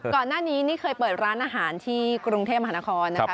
ก่อนหน้านี้นี่เคยเปิดร้านอาหารที่กรุงเทพมหานครนะคะ